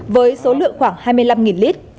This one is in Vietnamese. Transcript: với số lượng khoảng hai mươi năm lít